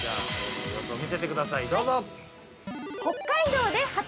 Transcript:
見せてください、どうぞ。